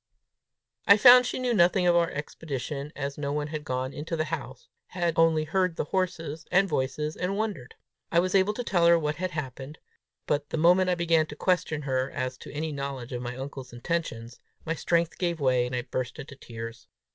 I found she knew nothing of our expedition, as no one had gone into the house had only heard the horses and voices, and wondered. I was able to tell her what had happened; but the moment I began to question her as to any knowledge of my uncle's intentions, my strength gave way, and I burst into tears.